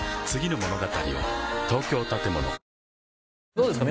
どうですか？